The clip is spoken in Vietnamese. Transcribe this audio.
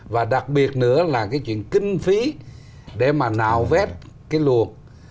và đặc biệt nữa là cái chuyện kinh phí để mà nạo vét cái luồng